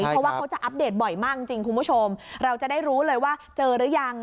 เพราะว่าเขาจะอัปเดตบ่อยมากจริงคุณผู้ชมเราจะได้รู้เลยว่าเจอหรือยัง